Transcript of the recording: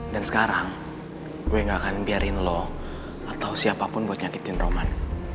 dan sekarang gue gak akan biarin lo atau siapapun buat nyakitin roman